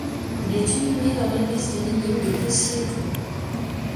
Il est inhumé dans l’église des Minimes de Plessis-lez-Tours.